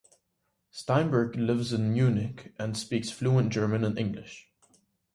Steinberg lives in Munich and speaks fluent German and English.